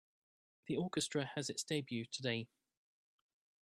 The orchestra has its debut today.